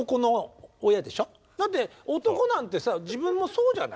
だって男なんてさ自分もそうじゃない。